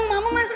gak apa apa beb